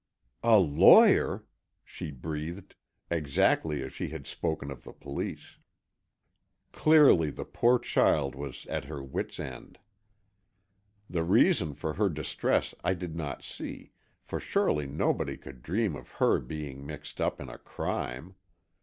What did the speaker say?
"A lawyer!" she breathed, exactly as she had spoken of the police. Clearly, the poor child was at her wits' end. The reason for her distress I did not see, for surely nobody could dream of her being mixed up in a crime.